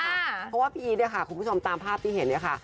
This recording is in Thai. เพราะว่าพี่อีทคุณผู้ชมตามภาพที่เห็นค่ะ